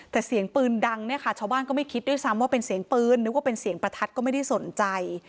แต่เสียงปืนดังเนี่ยค่ะชาวบ้านก็ไม่คิดด้วยซ้ำว่าเป็นเสียงปืนนึกว่าเป็นเสียงประทัดก็ไม่ได้สนใจ